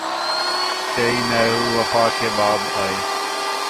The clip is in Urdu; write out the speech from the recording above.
تیری مہر و وفا کے باب آئے